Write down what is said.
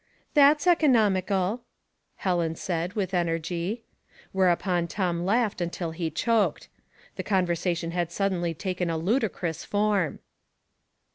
" That's economical! " Helen said, with energy 20 Household Puzzles. Whereupon Tom laughed until he choked. The conversation had suddenly taken a ludicrous form.